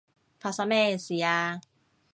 發生咩事啊？